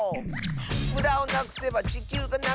「むだをなくせばちきゅうがながいき」